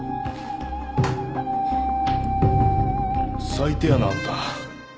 最低やなあんた。